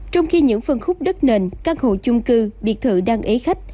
trong khi những phân khúc đất nền căn hộ chung cư biệt thự đang ế khách